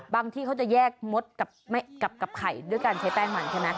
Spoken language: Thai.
ที่เขาจะแยกมดกับไข่ด้วยการใช้แป้งมันใช่ไหม